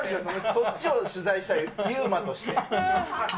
そっちを取材したい、ＵＭＡとして。